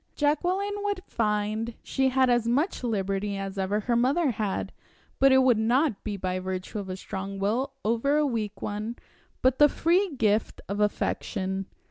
Jacqueline would find she had as much liberty as ever her mother had, but it would not be by virtue of a strong will over a weak one, but the free gift of affection.